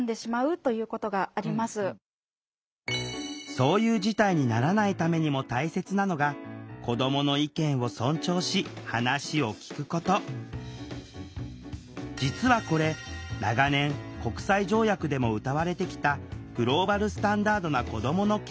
そういう事態にならないためにも大切なのが実はこれ長年国際条約でもうたわれてきたグローバルスタンダードな子どもの権利。